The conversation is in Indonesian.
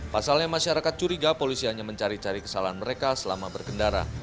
pasalnya masyarakat curiga polisi hanya mencari cari kesalahan mereka selama berkendara